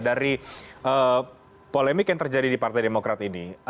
dari polemik yang terjadi di partai demokrat ini